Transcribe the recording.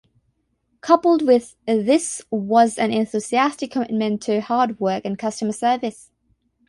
Coupled with this was an enthusiastic commitment to hard work and customer service.